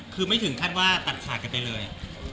คือไม่ถึงคาดว่าตัดฉากกันไปเลย